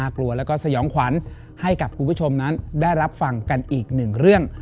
กลัวแล้วก็สยองขวัญให้กับคุณผู้ชมนั้นได้รับฟังกันอีกหนึ่งเรื่อง